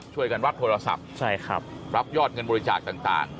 ช่วยกันรับโทรศัพท์รับยอดเงินบริจาคต่าง